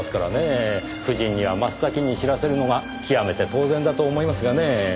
夫人には真っ先に知らせるのが極めて当然だと思いますがねぇ。